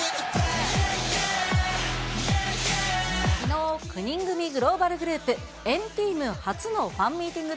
きのう、９人組グローバルグループ、＆ＴＥＡＭ初のファンミーティング